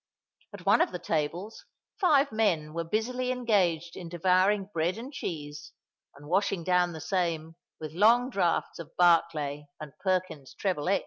At one of the tables five men were busily engaged in devouring bread and cheese and washing down the same with long draughts of Barclay and Perkins's Treble X.